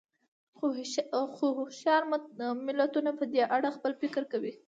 خو هوښیار ملتونه په دې اړه خپل فکر کوي.